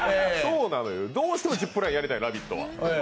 どうしてもジップラインやりたい「ラヴィット！」。